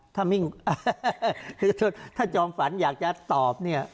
ถ้ามีถ้าจอมฝันอยากจะตอบนี้